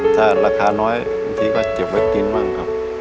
แต่ราคาน้อยอาทิตย์ก็เจ็บไว้กินบ้างครับ